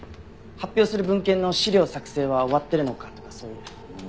発表する文献の資料作成は終わってるのかとかそういう。